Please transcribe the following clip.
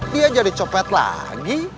dia jadi copet lagi